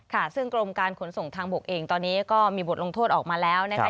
ค่ะซึ่งกรมการขนส่งทางบกเองตอนนี้ก็มีบทลงโทษออกมาแล้วนะคะ